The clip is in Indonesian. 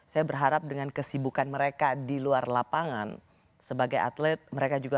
saya berharap dengan kesibukan mereka di luar lapangan sebagai atlet mereka juga